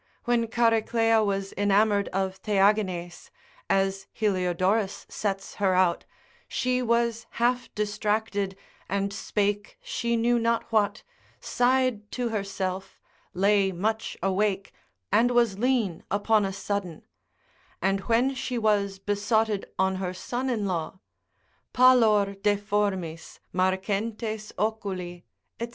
When Chariclia was enamoured of Theagines, as Heliodorus sets her out, she was half distracted, and spake she knew not what, sighed to herself, lay much awake, and was lean upon a sudden: and when she was besotted on her son in law, pallor deformis, marcentes oculi, &c.